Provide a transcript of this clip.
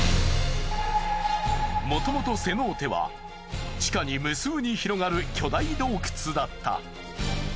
もともとセノーテは地下に無数に広がる巨大洞窟だった。